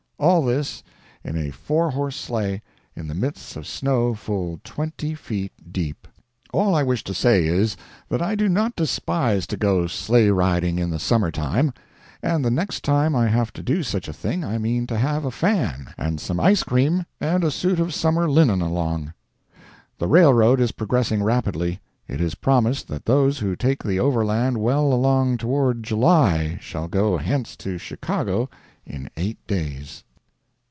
All this in a four horse sleigh, in the midst of snow full twenty feet deep! All I wish to say is, that I do not despise to go sleighriding in the summer time. And the next time I have to do such a thing I mean to have a fan, and some ice cream, and a suit of summer linen along. The railroad is progressing rapidly. It is promised that those who take the Overland well along toward July, shall go hence to Chicago in eight days.